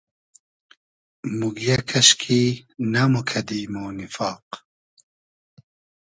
موگیۂ کئشکی نئموکئدی مۉ نیفاق